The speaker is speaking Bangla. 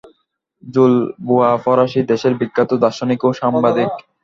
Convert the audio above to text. জুল, বোয়া ফরাসী দেশের বিখ্যাত দার্শনিক ও সাংবাদিক।